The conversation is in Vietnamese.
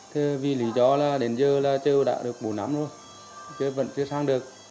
thế vì lý do là đến giờ là chưa đã được bốn năm rồi chưa sang được